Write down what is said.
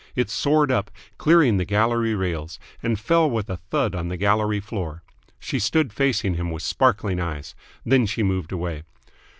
It soared up, clearing the gallery rails, and fell with a thud on the gallery floor. She stood facing him with sparkling eyes. Then she moved away.